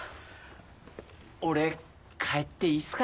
俺帰っていいっすか？